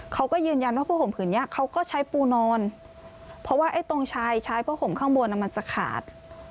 เขาก็ยืนยันว่าผ้าห่มผืนนี้เขาก็ใช้ปูนอนเพราะว่าไอ้ตรงชายชายผ้าห่มข้างบนมันจะขาด